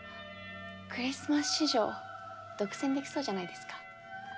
クリスマス市場独占できそうじゃないですか？